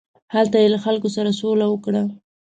هلته یې له خلکو سره سوله وکړه.